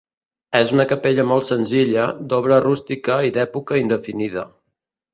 És una capella molt senzilla, d'obra rústica i d'època indefinida.